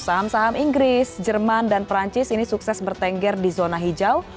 saham saham inggris jerman dan perancis ini sukses bertengger di zona hijau